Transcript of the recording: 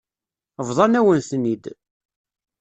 Bḍan-awen-ten-id.